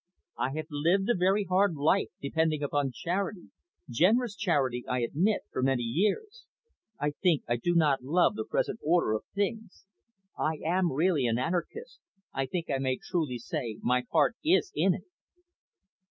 "I have lived a very hard life, depending upon charity, generous charity I admit, for many years. I think I do not love the present order of things. I am really an anarchist; I think I may truly say my heart is in it."